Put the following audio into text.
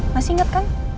masih ingat kan